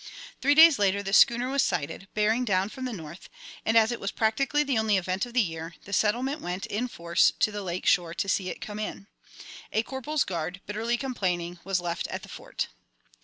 Three days later the schooner was sighted, bearing down from the north, and, as it was practically the only event of the year, the settlement went in force to the lake shore to see it come in. A corporal's guard, bitterly complaining, was left at the Fort.